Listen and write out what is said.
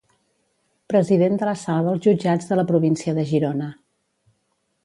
President de la Sala dels jutjats de la província de Girona.